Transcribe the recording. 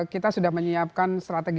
kita sudah menyiapkan